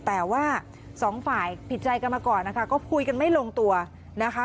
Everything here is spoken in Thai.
แต่ว่าสองฝ่ายผิดใจกันมาก่อนนะคะก็คุยกันไม่ลงตัวนะคะ